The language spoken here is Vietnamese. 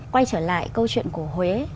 quay trở lại câu chuyện của huế